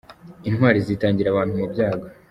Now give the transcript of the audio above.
Intwari zitangira abantu mu byago.